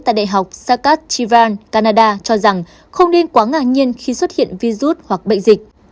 tại đại học sacat chivar canada cho rằng không nên quá ngạc nhiên khi xuất hiện vi rút hoặc bệnh dịch